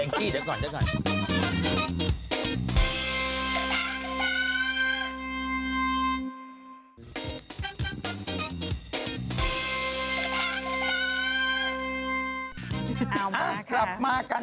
เอามาค่ะ